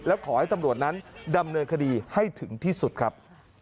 และขอให้ตำรวจนั้นดำเนินคดีให้ถึงที่สุดครับ